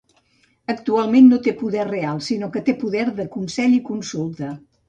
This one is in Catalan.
Actualment no té poder real, sinó que té poder de consell i consulta.